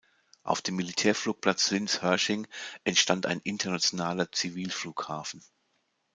Auf dem Militärflugplatz Linz Hörsching entstand ein internationaler Zivilflughafen.